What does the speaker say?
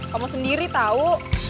kamu sendiri tau